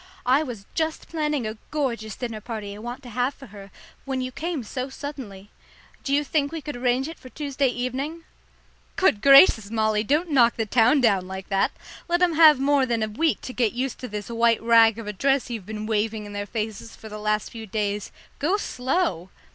I was just planning a gorgeous dinner party I want to have for her when you came so suddenly. Do you think we could arrange it for Tuesday evening?" "Good gracious, Molly, don't knock the town down like that! Let 'em have more than a week to get used to this white rag of a dress you've been waving in their faces for the last few days. Go slow!"